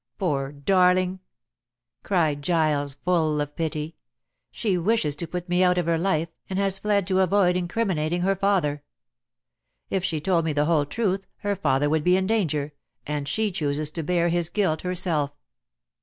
"Poor darling!" cries Giles, full of pity, "she wishes to put me out of her life, and has fled to avoid incriminating her father. If she told me the whole truth her father would be in danger, and she chooses to bear his guilt herself.